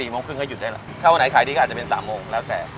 ประมาณ๑๖๑๘โมงก็หยุดได้แล้วถ้าวันไหนอาจจะเป็น๓โมงแล้วแต่